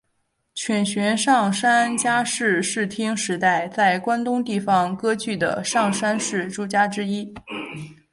犬悬上杉家是室町时代在关东地方割据的上杉氏诸家之一。